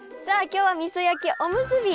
今日はみそ焼きおむすび。